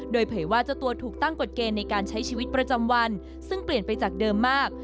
โดยเผยว่าเจ้าตัวถูกตั้งกฎเกณฑ์ในการใช้ชีวิตประจำวันซึ่งเปลี่ยนไปจากเดิมมาก